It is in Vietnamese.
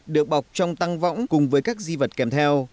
được bọc trong tăng võng cùng với các di vật kèm theo